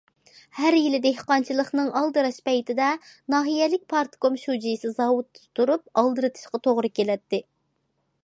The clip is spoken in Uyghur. ھەر يىلى دېھقانچىلىقنىڭ ئالدىراش پەيتىدە، ناھىيەلىك پارتكوم شۇجىسى زاۋۇتتا تۇرۇپ ئالدىرىتىشقا توغرا كېلەتتى.